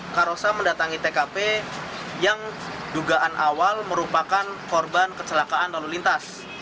karosa mendatangi tkp yang dugaan awal merupakan korban kecelakaan lalu lintas